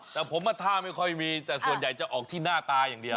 แต่ผมว่าท่าไม่ค่อยมีแต่ส่วนใหญ่จะออกที่หน้าตาอย่างเดียว